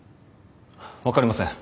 分かりません。